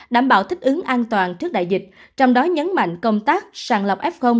đảm bảo thích ứng an toàn trước đại dịch trong đó nhấn mạnh công tác sàng lọc f